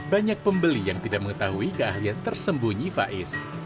banyak pembeli yang tidak mengetahui keahlian tersembunyi faiz